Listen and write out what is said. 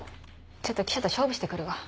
ちょっと記者と勝負して来るわ。